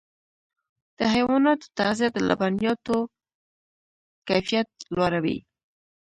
د حیواناتو تغذیه د لبنیاتو کیفیت لوړوي.